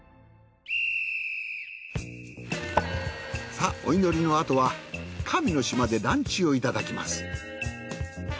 さあお祈りのあとは神の島でランチをいただきます。